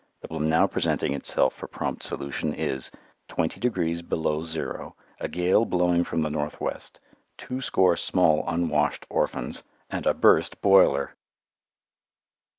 The problem now presenting itself for prompt solution is: 20° below zero, a gale blowing from the northwest, twoscore small, unwashed orphans, and a burst boiler!